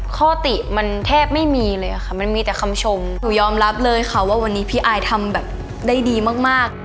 ข้อติมันแทบไม่มีเลยค่ะมันมีแต่คำชมหนูยอมรับเลยค่ะว่าวันนี้พี่อายทำแบบได้ดีมาก